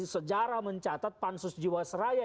sejarah mencatat pansus jiwasraya